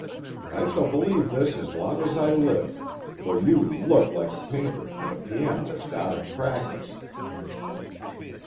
I shall believe this as long as I live, for you look like a painter and a pianowist out of practice."